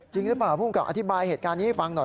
จริงหรือเปล่าภูมิกับอธิบายเหตุการณ์นี้ให้ฟังหน่อย